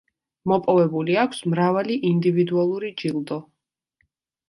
მოპოვებული აქვს მრავალი ინდივიდუალური ჯილდო.